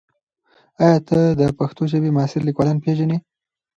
ایا ته د پښتو ژبې معاصر لیکوالان پېژنې؟